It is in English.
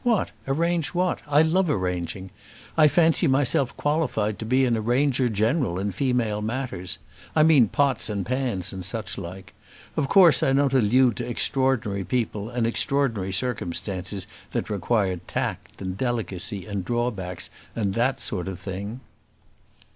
What? arrange what? I love arranging. I fancy myself qualified to be an arranger general in female matters. I mean pots and pans, and such like. Of course I don't allude to extraordinary people and extraordinary circumstances that require tact, and delicacy, and drawbacks, and that sort of thing."